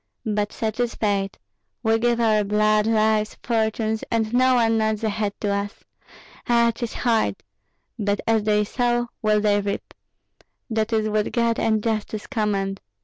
But such is fate! We give our blood, lives, fortunes, and no one nods a head to us. Ah! 'tis hard; but as they sow will they reap. That is what God and justice command.